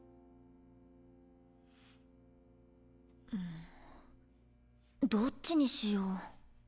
んどっちにしよう。